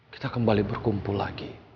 kita kembali berkumpul lagi